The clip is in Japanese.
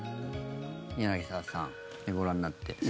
柳澤さん、ご覧になって。